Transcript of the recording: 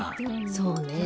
そうね。